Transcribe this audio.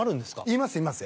いますいます